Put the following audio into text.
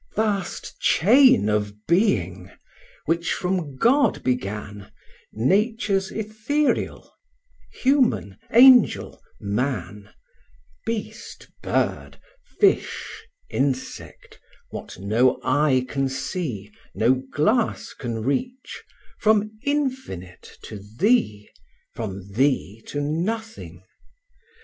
Vast chain of being! which from God began, Natures ethereal, human, angel, man, Beast, bird, fish, insect, what no eye can see, No glass can reach; from Infinite to thee, From thee to nothing.